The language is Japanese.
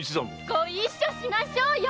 ご一緒しましょうよ！